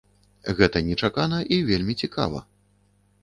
Гэта нечакана і вельмі цікава.